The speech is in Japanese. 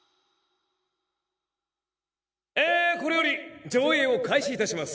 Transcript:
えーこれより上映を開始いたします。